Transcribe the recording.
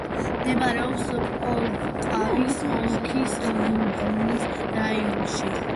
მდებარეობს პოლტავის ოლქის ლუბნის რაიონში.